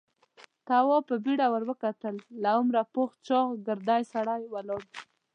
تواب په بيړه ور وکتل. له عمره پوخ چاغ، ګردی سړی ولاړ و.